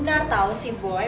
bener tau sih boy